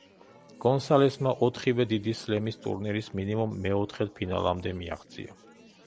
გონსალესმა ოთხივე დიდი სლემის ტურნირის მინიმუმ მეოთხედფინალამდე მიაღწია.